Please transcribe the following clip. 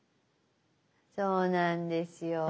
そうなんですよ。